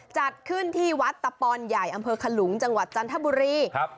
จัดขึ้นที่วัดตะปอนใหญ่อำเภอขลุงจังหวัดจันทบุรีครับ